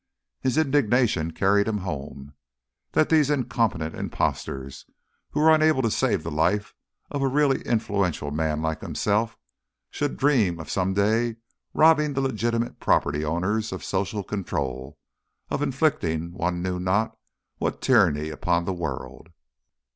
His indignation carried him home. That these incompetent impostors, who were unable to save the life of a really influential man like himself, should dream of some day robbing the legitimate property owners of social control, of inflicting one knew not what tyranny upon the world.